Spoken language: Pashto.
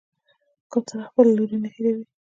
کوتره خپل لوری نه هېروي.